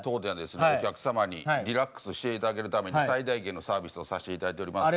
お客様にリラックスして頂けるために最大限のサービスをさせて頂いております。